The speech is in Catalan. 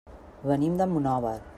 Venim de Monòver.